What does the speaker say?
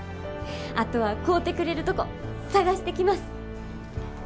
あとは買うてくれるとこ探してきます。